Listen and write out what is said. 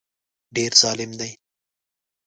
ډېر ظالم دی.